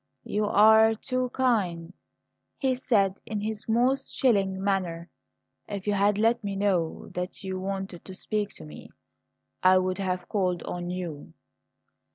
"You are too kind," he said in his most chilling manner. "If you had let me know that you wanted to speak to me I would have called on you."